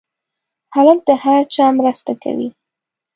هلک د هر چا مرسته کوي.